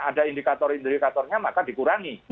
ada indikator indikatornya maka dikurangi